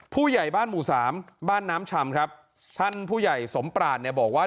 ผู้ใหญ่บ้านหมู่สามบ้านน้ำชำครับท่านผู้ใหญ่สมปราศเนี่ยบอกว่า